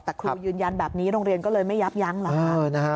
แต่ครูยืนยันแบบนี้โรงเรียนก็เลยไม่ยับยั้งเหรอคะ